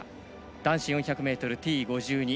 男子４００ｍＴ５２